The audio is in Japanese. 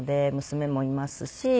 娘もいますし。